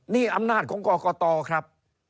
นี่อำนาจของกรกตครับ